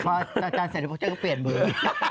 พออาจารย์เสร็จเขาก็เปลี่ยนมือ